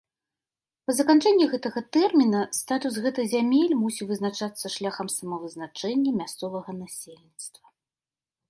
Па заканчэнні гэтага тэрміна статус гэтых зямель мусіў вызначацца шляхам самавызначэння мясцовага насельніцтва.